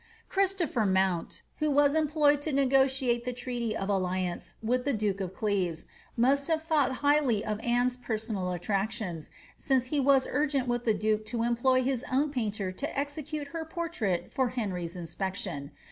Christopher Mount, who was employed to negotiate the treaty of alliance with the duke of Cleves, must hafe thought highly of Anne^s personal attractions, since he was urgent with the duke to employ his own painter to execute her portrait for Henry's inspection.